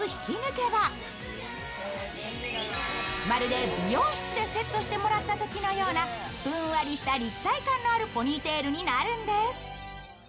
まるで美容室でセットしてもらったときのようなふんわりした立体感のあるポニーテールになるんです。